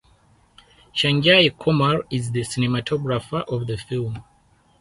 Shaji Kumar is the cinematographer of the film.